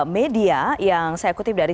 media yang saya kutip dari